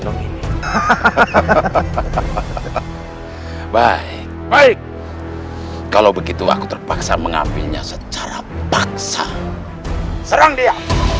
hahaha bye bye kalau begitu aku terpaksa mengambilnya secara paksa serang dia